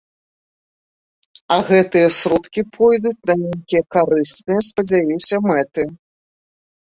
А гэтыя сродкі пойдуць на нейкія карысныя, спадзяюся, мэты.